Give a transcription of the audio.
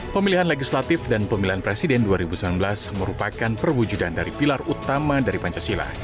pemilihan legislatif dan pemilihan presiden dua ribu sembilan belas merupakan perwujudan dari pilar utama dari pancasila